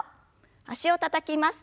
脚をたたきます。